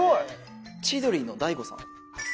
千鳥の大悟さん？